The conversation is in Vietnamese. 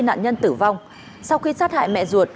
nạn nhân tử vong sau khi sát hại mẹ ruột